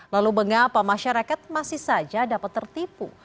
lalu mengapa masyarakat masih saja dapat tertipu